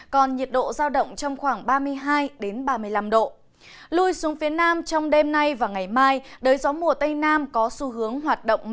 còn nhiệt độ giao động trong khoảng ba mươi hai